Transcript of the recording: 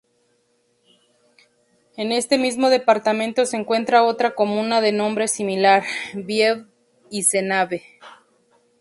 En este mismo departamento se encuentra otra comuna de nombre similar, Vieu-d'Izenave.